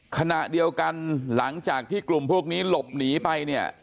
ขณะเดียวกันหลังจากที่กลุ่มพวกนี้หลบหนีไปเนี่ย